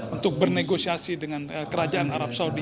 untuk bernegosiasi dengan kerajaan arab saudi